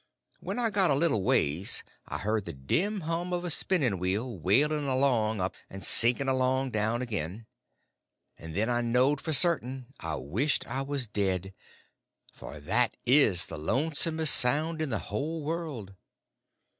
When I got a little ways I heard the dim hum of a spinning wheel wailing along up and sinking along down again; and then I knowed for certain I wished I was dead—for that is the lonesomest sound in the whole world.